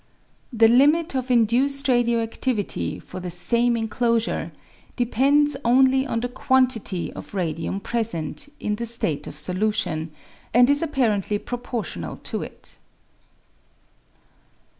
The limit of induced radio activity for the same enclosure depends only on the quantity of radium present in the state of solution, and is apparently proportional to it.